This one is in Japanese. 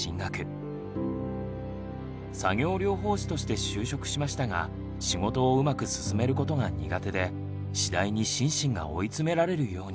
作業療法士として就職しましたが仕事をうまく進めることが苦手で次第に心身が追い詰められるように。